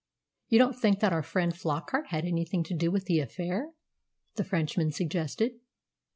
"You don't think that our friend Flockart had anything to do with the affair?" the Frenchman suggested.